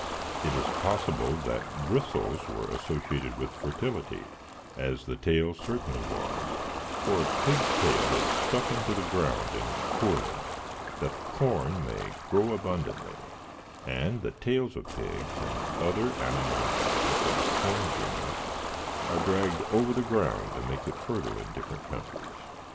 It is possible that bristles were associated with fertility, as the tail certainly was, for a pig's tail is stuck into the ground in Courland, that the corn may grow abundantly, and the tails of pigs, and other animal embodiments of the corn genius, are dragged over the ground to make it fertile in different countries.